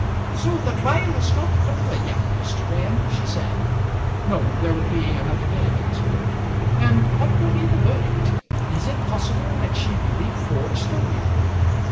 "So the trial is not over yet, Mr. Graham?" she said. "No; there will be another day of it." "And what will be the verdict? Is it possible that she really forged the will?"